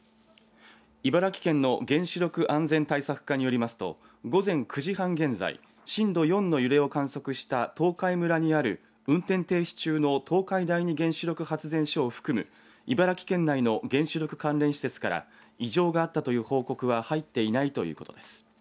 茨城県の原子力安全対策課によりますと午前９時半現在、震度４の揺れを観測した東海村にある運転停止中の東海第二原子力発電所を含む茨城県内の原子力関連施設から異常があったという報告は入っていないということです。